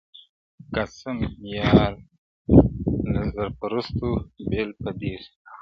قاسم یار له زر پرستو بېل په دې سو-